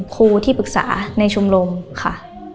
ครูที่ปรึกษาในชมรมค่ะ